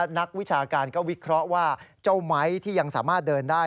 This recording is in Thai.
นักวิชาการก็วิเคราะห์ว่าเจ้าไม้ที่ยังสามารถเดินได้